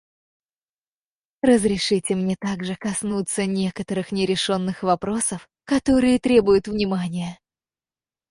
Разрешите мне также коснуться некоторых нерешенных вопросов, которые требуют внимания.